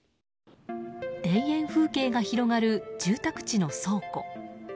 田園風景が広がる住宅地の倉庫。